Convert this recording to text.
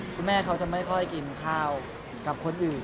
คุณแม่เขาจะไม่ค่อยกินข้าวกับคนอื่น